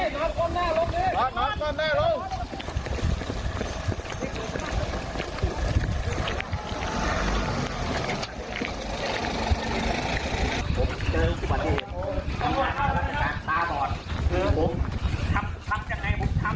ลงลงลงและหลวง